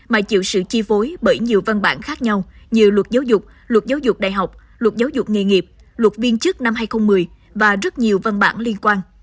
mà chịu sự chi phối bởi nhiều văn bản khác nhau như luật giáo dục luật giáo dục đại học luật giáo dục nghề nghiệp luật viên chức năm hai nghìn một mươi và rất nhiều văn bản liên quan